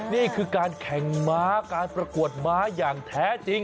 นี่คือการแข่งม้าการประกวดม้าอย่างแท้จริง